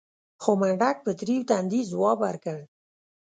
خو منډک په تريو تندي ځواب ورکړ.